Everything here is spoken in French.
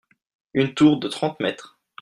Une tour de trente mètres.